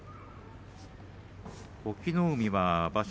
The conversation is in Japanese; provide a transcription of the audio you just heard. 隠岐の海は場所